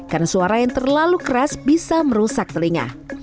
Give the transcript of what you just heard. karena suara yang terlalu keras bisa merusak telinga